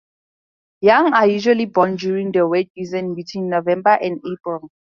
Young are usually born during the wet season, between November and April.